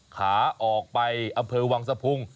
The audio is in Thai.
ขาออกไปอำเภอวังสะพุง